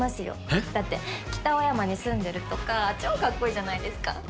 えっ？だって北青山に住んでるとか超かっこいいじゃないですか。